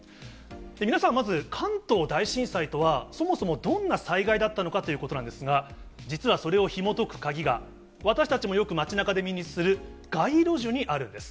皆さんまず、関東大震災とは、そもそもどんな災害だったのかということなんですが、実はそれをひもとく鍵が、私たちもよく街なかで目にする街路樹にあるんです。